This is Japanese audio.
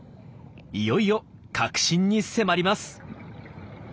いよいよ核心に迫ります。